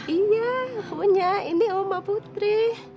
iya punya ini oma putri